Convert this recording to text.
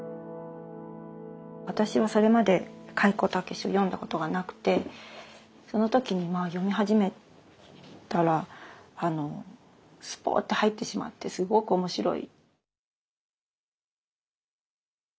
私はそれまで開高健を読んだことがなくてその時にまあ読み始めたらスポッと入ってしまってすごく面白い。